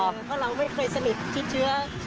เพราะเราไม่เคยสนิทคิดเชื้อ